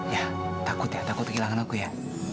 ya takut ya takut kehilangan aku ya